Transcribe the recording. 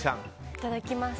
いただきます。